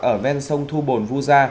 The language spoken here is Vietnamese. ở ven sông thu bồn vu gia